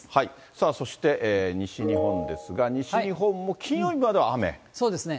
さあ、そして西日本ですが、西日本も、そうですね。